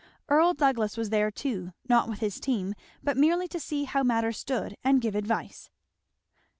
Earl Douglass was there too, not with his team, but merely to see how matters stood and give advice.